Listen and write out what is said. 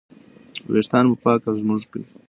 ویښتان مو پاک او ږمنځ کړئ.